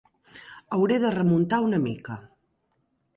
Hauré de remuntar una mica.